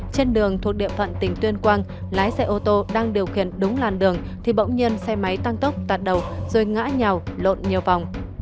trên đường thuộc địa phận tỉnh tuyên quang lái xe ô tô đang điều khiển đúng làn đường thì bỗng nhiên xe máy tăng tốc tạt đầu rồi ngã nhào lộn nhiều vòng